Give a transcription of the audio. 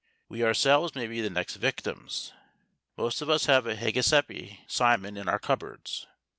We ourselves may be the next victims. Most of us have a Hégésippe Simon in our cupboards.